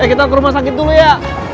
kita ke rumah sakit dulu ya